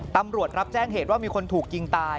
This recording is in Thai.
ตำรวจรับแจ้งเหตุว่ามีคนถูกยิงตาย